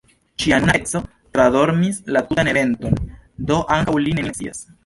Ŝia nuna edzo tradormis la tutan eventon, do ankaŭ li nenion scias.